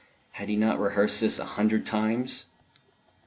(Had he not rehearsed this a hundred times!)